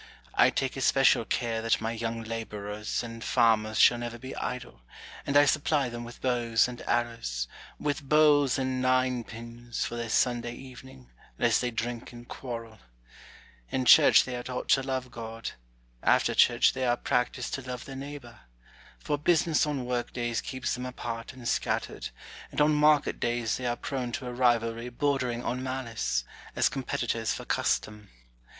I take especial care that my young labourers and farmers shall never be idle, and I 1S8 TMAGINARY CONVERSATIONS. supply them with bows and arrows, with bowls and nine pins, for their Sunday evening, lest they drink and quarrel In church they are taught to love God ; after church they are practised to love their neighbour : for business on work days keeps them apart and scattered, and on market days they are prone to a rivalry bordering on malice, as com petitors for custom.